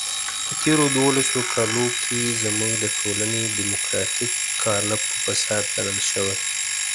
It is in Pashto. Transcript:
په تېرو دولسو کالو کې زموږ د ټولنې دیموکراتیک قالب په فساد لړل شوی.